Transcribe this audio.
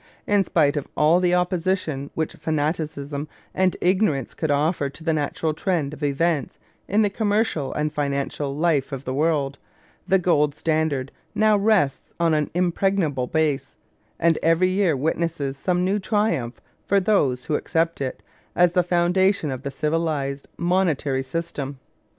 In spite of all the opposition which fanaticism and ignorance could offer to the natural trend of events in the commercial and financial life of the world, the gold standard now rests on an impregnable base; and every year witnesses some new triumph for those who accept it as the foundation of the civilised monetary system.